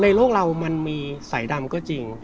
โลกเรามันมีสายดำก็จริง